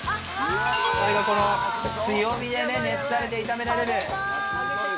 強火で熱されて炒められる。